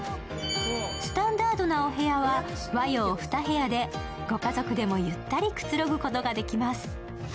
スタンダードなお部屋は和洋２部屋でご家族でもゆったりくつろぐことができます。